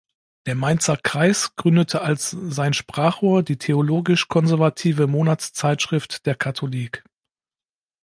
Der Mainzer Kreis gründete als sein Sprachrohr die theologisch konservative Monatszeitschrift "Der Katholik".